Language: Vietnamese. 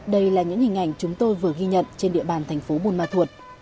đây là những hình ảnh chúng tôi vừa ghi nhận trên địa bàn thành phố buôn ma thuột